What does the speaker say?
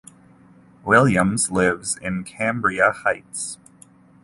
Williams lives in Cambria Heights.